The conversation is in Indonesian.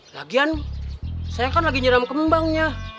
lagian saya kan lagi nyeram kembangnya